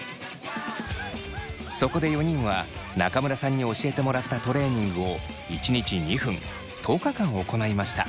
そこで４人は中村さんに教えてもらったトレーニングを１日２分１０日間行いました。